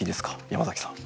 山崎さん。